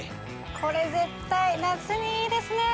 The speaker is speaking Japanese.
これ絶対夏にいいですね！